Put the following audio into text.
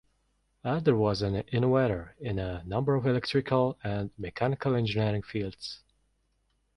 Ader was an innovator in a number of electrical and mechanical engineering fields.